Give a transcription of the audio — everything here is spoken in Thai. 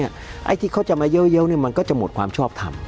ไอ้ที่เขาจะมาเยอะมันก็จะหมดความชอบทำ